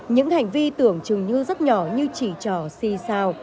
những hành vi tưởng chừng như rất nhỏ như chỉ trò si sao